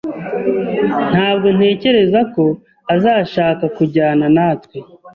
Ntabwo ntekereza ko azashaka kujyana natwe.